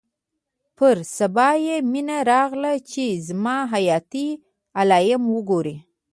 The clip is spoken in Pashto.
پر سبا يې مينه راغله چې زما حياتي علايم وګوري.